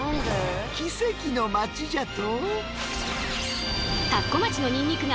奇跡の町じゃと！？